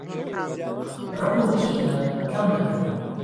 ڕقوکینە کەمبکەنەوە